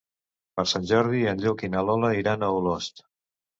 Per Sant Jordi en Lluc i na Lola iran a Olost.